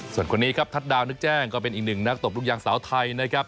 ส่วนคนนี้ครับทัศดาวนึกแจ้งก็เป็นอีกหนึ่งนักตบลูกยางสาวไทยนะครับ